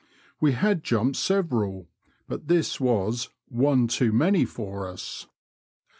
We had jumped several, but this was one too many for us."